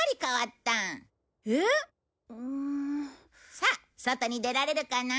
さあ外に出られるかな？